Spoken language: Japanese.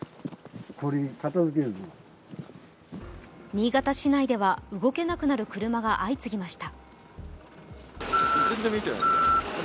新潟市内では、動けなくなる車が相次ぎました。